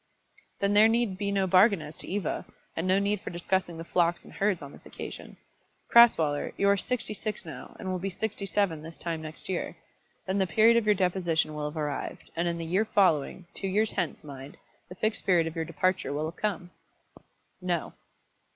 "Then there need be no bargain as to Eva, and no need for discussing the flocks and herds on this occasion. Crasweller, you are sixty six now, and will be sixty seven this time next year. Then the period of your deposition will have arrived, and in the year following, two years hence, mind, the Fixed Period of your departure will have come." "No."